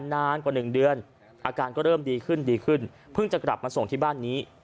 นานกว่า๑เดือนอาการก็เริ่มดีขึ้นดีขึ้นเพิ่งจะกลับมาส่งที่บ้านนี้